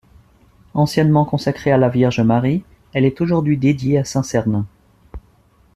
Anciennement consacrée à la Vierge Marie, elle est aujourd’hui dédiée à saint Sernin.